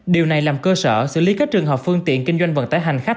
điều này làm cơ sở xử lý các trường hợp phương tiện kinh doanh vận tải hành khách